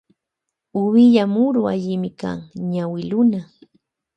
Uvilla muru allimikan ñawi luna.